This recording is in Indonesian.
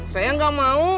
saya gak mau